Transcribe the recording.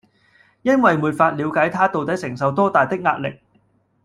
因為沒法了解他到底承受多大的壓力